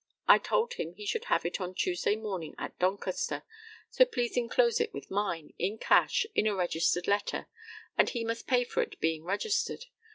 I told him he should have it on Tuesday morning at Doncaster; so please enclose it with mine, in cash, in a registered letter, and he must pay for it being registered.